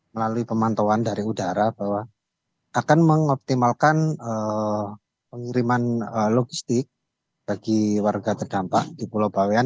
melalui pemantauan dari udara bahwa akan mengoptimalkan pengiriman logistik bagi warga terdampak di pulau bawean